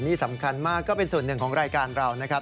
นี่สำคัญมากก็เป็นส่วนหนึ่งของรายการเรานะครับ